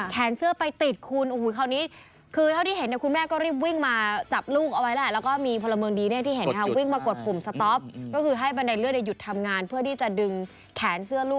เกิดที่ห้างตัดประสิทคาในมณฑงกุ้ยโจคุณดู